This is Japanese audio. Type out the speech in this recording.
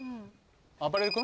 あばれる君？